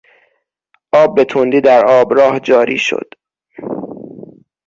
آب به تندی در آبراه جاری شد.